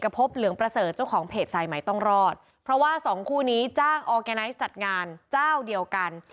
เพราะว่า๒คู่นี้จ้างจัดงานเจ้าเดียวกัน